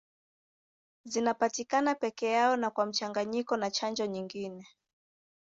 Zinapatikana peke yao na kwa mchanganyiko na chanjo nyingine.